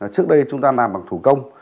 trước đây chúng ta làm bằng thủ công